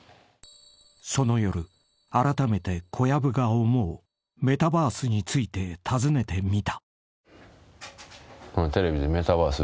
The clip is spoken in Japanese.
［その夜あらためて小籔が思うメタバースについて尋ねてみた］